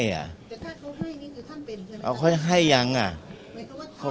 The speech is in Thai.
แต่ถ้าเขาให้นี่คือท่านเป็นใช่ไหมครับ